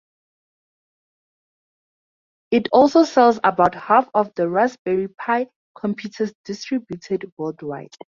It also sells about half of the Raspberry Pi computers distributed worldwide.